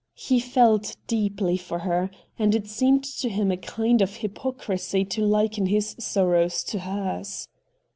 He felt deeply for her, and it seemed to him a kind of hypocrisy to liken his sorrow to hers.